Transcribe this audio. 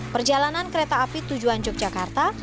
perjalanan kereta api tujuan yogyakarta